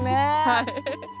はい。